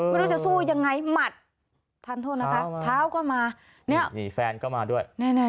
ไม่รู้จะสู้ยังไงมัดทางต้นนะคะท้าวก็มาฟแฟนก็มาด้วย